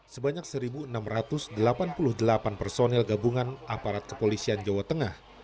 sebanyak satu enam ratus delapan puluh delapan personel gabungan aparat kepolisian jawa tengah